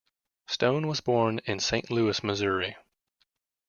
Stone was born in Saint Louis, Missouri.